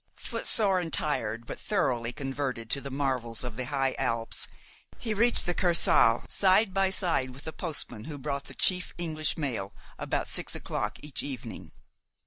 Footsore and tired, but thoroughly converted to the marvels of the high Alps, he reached the Kursaal side by side with the postman who brought the chief English mail about six o'clock each evening.